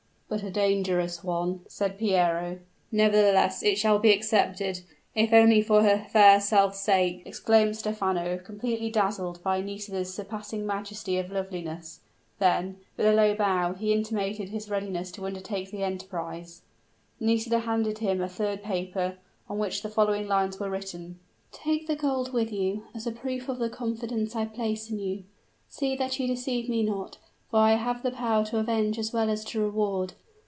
"But a dangerous one," said Piero. "Nevertheless, it shall be accepted, if only for her fair self's sake," exclaimed Stephano, completely dazzled by Nisida's surpassing majesty of loveliness; then, with a low bow, he intimated his readiness to undertake the enterprise. Nisida handed him a third paper, on which the following lines were written: "Take the gold with you, as a proof of the confidence I place in you. See that you deceive me not; for I have the power to avenge as well as to reward.